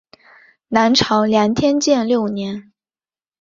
南朝梁天监六年。